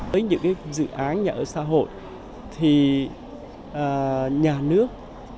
với những dự án nhà ở xã hội thì nhà nước